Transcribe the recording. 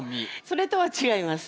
それとは違います。